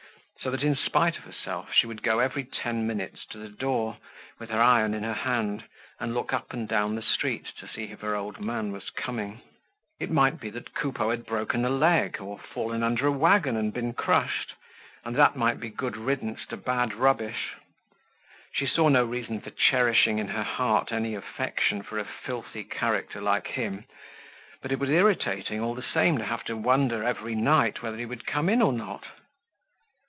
So that in spite of herself, she would go every ten minutes to the door, with her iron in her hand, and look up and down the street to see if her old man was coming. It might be that Coupeau had broken a leg, or fallen under a wagon and been crushed and that might be good riddance to bad rubbish. She saw no reason for cherishing in her heart any affection for a filthy character like him, but it was irritating, all the same, to have to wonder every night whether he would come in or not.